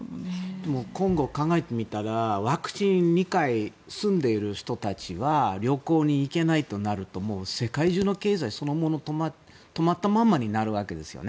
でも今後を考えてみたらワクチンが２回済んでいる人も旅行に行けないとなると世界中の経済そのものが止まったままになるわけですよね。